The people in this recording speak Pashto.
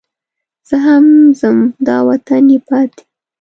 زه هم ځم دا وطن یې پاتې.